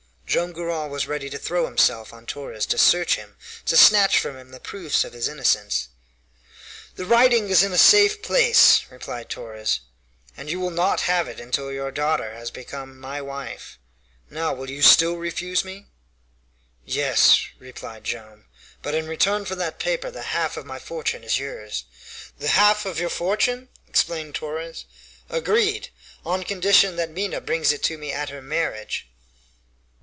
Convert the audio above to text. Joam Garral was ready to throw himself on Torres, to search him, to snatch from him the proofs of his innocence. "The writing is in a safe place," replied Torres, "and you will not have it until your daughter has become my wife. Now will you still refuse me?" "Yes," replied Joam, "but in return for that paper the half of my fortune is yours." "The half of your fortune?" exclaimed Torres; "agreed, on condition that Minha brings it to me at her marriage."